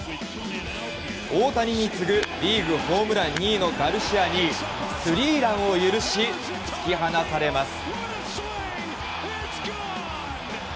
大谷に次ぐリーグホームラン２位のガルシアにスリーランを許し突き放されます。